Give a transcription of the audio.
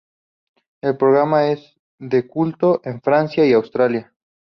El programa es de culto en Francia y en Australia.